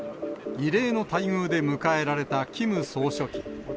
異例の待遇で迎えられたキム総書記。